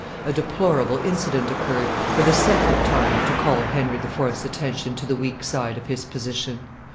a deplorable incident occurred, for the second time, to call Henry IV.'s attention to the weak side of his position.